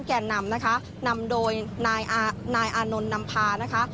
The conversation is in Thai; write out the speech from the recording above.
แก่นำนะคะนำโดยนายอานนท์นำพานะคะ